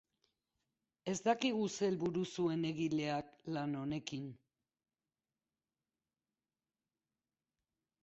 Ez dakigu ze helburu zuen egilea lan honekin.